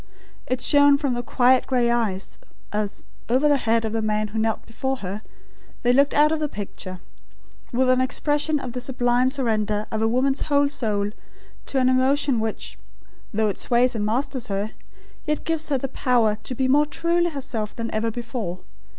It shone from the quiet grey eyes, as, over the head of the man who knelt before her, they looked out of the picture with an expression of the sublime surrender of a woman's whole soul to an emotion which, though it sways and masters her, yet gives her the power to be more truly herself than ever before.